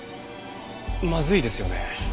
まずいですよね。